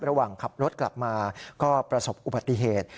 ระหว่างขับรถกลับมาก็ประสบอุบัติเหตุ